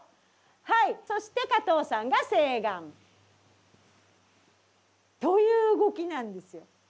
はいそして加藤さんが正眼。という動きなんですよ。